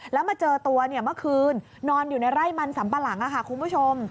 แล้วมาเจอตัวเมื่อคืนนอนอยู่ในไร่มันสัมปะหลังค่ะคุณผู้ชม